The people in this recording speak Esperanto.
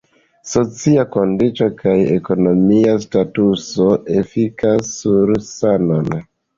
Socia kondiĉo kaj ekonomia statuso efikas sur sanon.